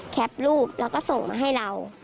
แปปรูปแล้วก็ส่งมาให้เรา